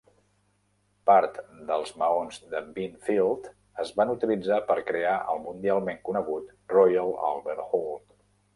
Part dels maons de Binfield es van utilitzar per crear el mundialment conegut Royal Albert Hall.